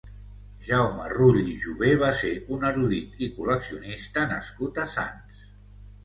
Jaume Rull i Jové va ser un erudit i col·leccionista nascut a Sants.